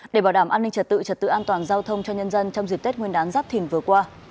để bảo đảm an ninh trật tự trật tự an toàn giao thông cho nhân dân trong dịp tết nguyên đán giáp thìn vừa qua